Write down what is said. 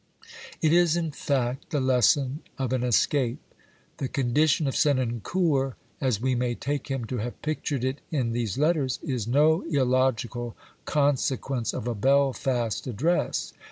It is, in fact, the lesson of an escape. The condition of Senancour, as we may take him to have pictured it in these letters, is no illogical consequence of a Belfast Address.